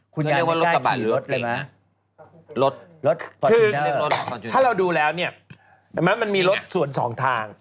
คุณยายไม่ใกล้ขี่รถเลยนะรถคือถ้าเราดูแล้วเนี่ยมันมีรถส่วน๒ทาง